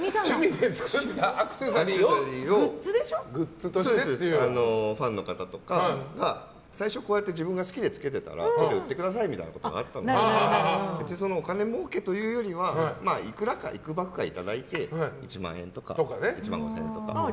アクセサリーとかをファンの方とかが最初、自分が好きでつけてたら売ってくださいみたいなのがあったのでお金もうけとかっていうよりかはいくばくかをいただいて１万円とか１万５０００円とか。